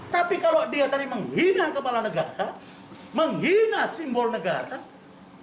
tapi kalau dia tadi menghina kepala negara menghina simbol negara